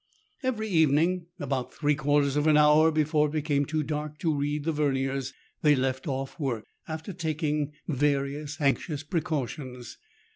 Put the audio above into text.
Every evening, about three quarters of an hour before it became too dark to read the verniers, they left off work, after taking various anxious precautions.